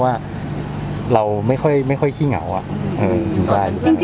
จริงเราเสียใจไหมครับพี่เกรทเพราะว่าเหมือนพี่เกรทปรับตัวดูปกติ